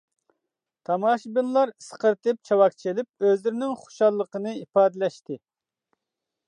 تاماشىبىنلار ئىسقىرتىپ، چاۋاك چېلىپ ئۆزلىرىنىڭ خۇشاللىقىنى ئىپادىلەشتى.